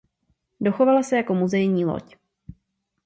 Dochovala se jako muzejní loď.